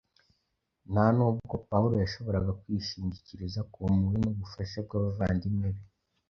Nta n’ubwo Pawulo yashoboraga kwishingikiriza ku mpuhwe n’ubufasha by’abavandimwe be